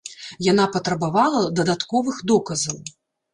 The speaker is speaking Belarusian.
Яна патрабавала дадатковых доказаў.